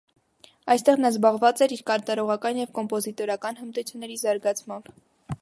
Այստեղ նա զբաղված էր իր կատարողական և կոմպոզիտորական հմտությունների զարգացմամբ։